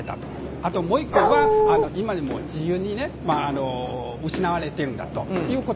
あともう１個は今も自由が失われているんだということ。